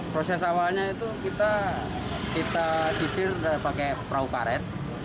proses awalnya itu kita sisir pakai perahu karet